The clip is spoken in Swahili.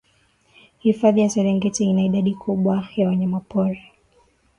hifadhi ya serengeti ina idadi kubwa ya wanyamapori